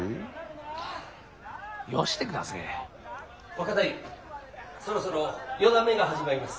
若太夫そろそろ四段目が始まります。